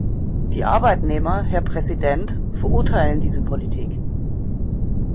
Die Arbeitnehmer, Herr Präsident, verurteilen diese Politik.